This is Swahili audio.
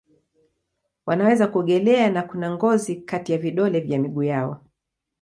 Wanaweza kuogelea na kuna ngozi kati ya vidole vya miguu yao.